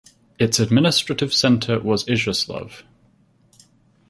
Its administrative centre was Iziaslav.